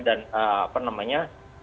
dan apa namanya